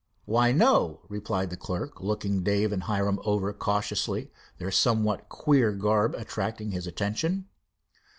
"Why, no," replied the clerk, looking Dave and Hiram over curiously, their somewhat queer garb attracting his attention.